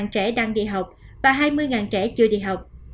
hai mươi trẻ đang đi học và hai mươi trẻ chưa đi học